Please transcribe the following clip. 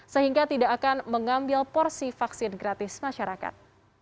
sehingga tidak akan mengambil porsi vaksin gratis masyarakat